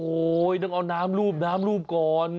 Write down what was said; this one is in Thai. โอ๊ยต้องเอาน้ำรูปก่อน